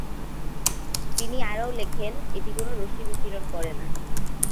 তিনি আরও লেখেন, এটি কোন রশ্মি বিকিরণ করে না।